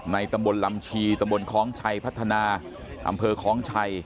ตำบลลำชีตำบลคล้องชัยพัฒนาอำเภอคล้องชัย